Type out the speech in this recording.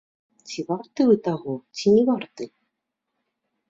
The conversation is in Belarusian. А ці варты вы таго ці не варты?